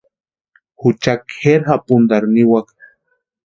Jucha kʼeri japuntarhu niwaka.